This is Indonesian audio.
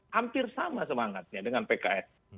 hampir sama semangatnya dengan pks